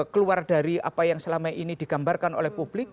keluar dari apa yang selama ini digambarkan oleh publik